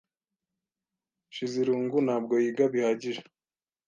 Nshizirungu ntabwo yiga bihagije.